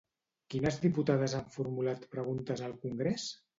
Quines diputades han formulat preguntes al congrés?